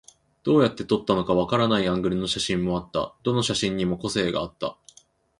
どうやって撮ったのかわからないアングルの写真もあった。どの写真にも個性があった。